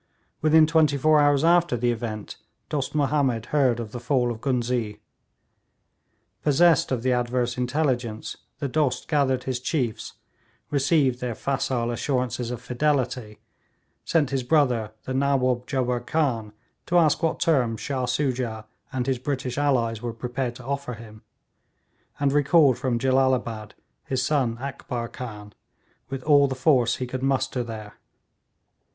Within twenty four hours after the event Dost Mahomed heard of the fall of Ghuznee. Possessed of the adverse intelligence, the Dost gathered his chiefs, received their facile assurances of fidelity, sent his brother the Nawaub Jubbar Khan to ask what terms Shah Soojah and his British allies were prepared to offer him, and recalled from Jellalabad his son Akbar Khan, with all the force he could muster there.